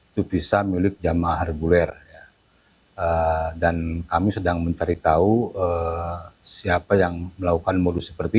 itu pisa milik jamaah reguler dan kami sedang mencari tahu siapa yang melakukan modus seperti